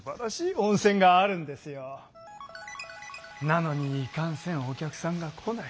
なのにいかんせんお客さんが来ない。